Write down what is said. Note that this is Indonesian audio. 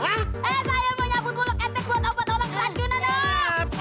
eh saya mau nyambut bulu ketek buat obat olahrajunan oh